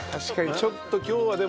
ちょっと今日はでも。